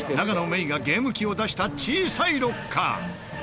郁がゲーム機を出した小さいロッカー！